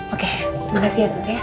oke makasih ya sus ya